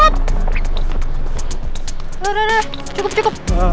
udah udah udah cukup cukup